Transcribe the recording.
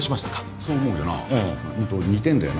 そう思うよな。